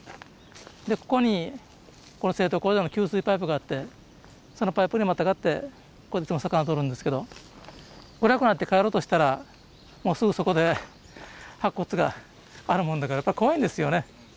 でここに製糖工場の給水パイプがあってそのパイプにまたがって魚をとるんですけど暗くなって帰ろうとしたらすぐそこで白骨があるもんだからやっぱ怖いんですよね。